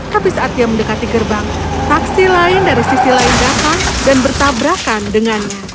tapi saat dia mendekati gerbang taksi lain dari sisi lain datang dan bertabrakan dengannya